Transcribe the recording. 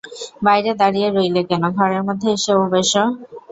বাইরে দাঁড়িয়ে রইলে কেন, ঘরের মধ্যে এসো বোসো।